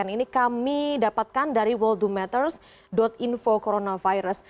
ini kami dapatkan dari worldwomatters info coronavirus